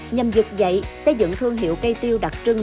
nhằm dự dạy xây dựng thương hiệu cây tiêu đặc trưng